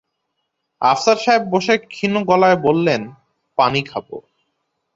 আফসার সাহেব বসে ক্ষীণ গলায় বললেন, পানি খাব।